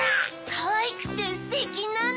かわいくてステキなの！